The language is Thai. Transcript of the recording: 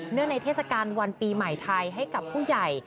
ในเทศกาลวันปีใหม่ไทยให้กับผู้ใหญ่